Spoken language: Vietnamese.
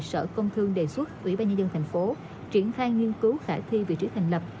sở công thương tp hcm đề xuất ủy ban nhân dân tp hcm triển thai nghiên cứu khả thi vị trí thành lập